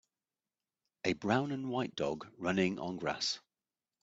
A brown and white dog running on grass.